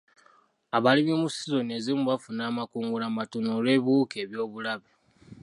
Abalimi mu sizoni ezimu bafuna amakungula matono olw'ebiwuka eby'obulabe.